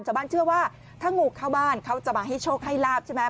ชาวบ้านเชื่อว่าถ้างูเข้าบ้านเขาจะมาให้โชคให้ลาบใช่ไหม